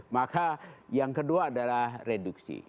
maka yang kedua adalah reduksi